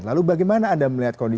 lalu bagaimana anda melihat kondisi